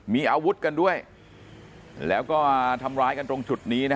มีอาวุธกันด้วยแล้วก็ทำร้ายกันตรงจุดนี้